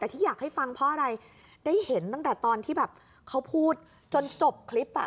แต่ที่อยากให้ฟังเพราะอะไรได้เห็นตั้งแต่ตอนที่แบบเขาพูดจนจบคลิปอ่ะ